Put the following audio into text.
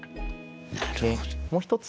もう一つ。